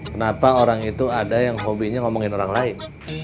kenapa orang itu ada yang hobinya ngomongin orang lain